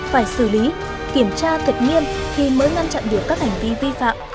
phải xử lý kiểm tra thật nghiêm thì mới ngăn chặn được các hành vi vi phạm